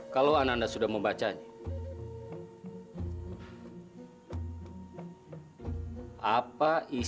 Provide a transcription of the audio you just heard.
kabur dari istana nyai